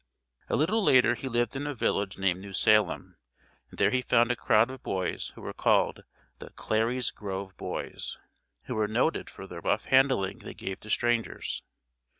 A little later he lived in a village named New Salem, and there he found a crowd of boys who were called the "Clary's Grove Boys," who were noted for the rough handling they gave to strangers.